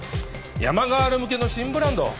山ガール向けの新ブランド？